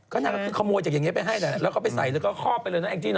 ก็น่าจะขโมยจากอย่างนี้ไปให้แล้วก็ไปใส่แล้วก็คลอบไปเลยเนอะแอ็กซี่